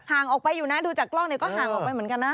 ห่างออกไปอยู่นะดูจากกล้องเนี่ยก็ห่างออกไปเหมือนกันนะ